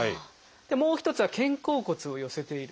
もう一つは肩甲骨を寄せている。